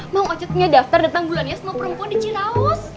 mam ocat punya daftar datang bulannya semua perempuan di ciraus